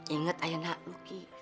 ingat aja nak luki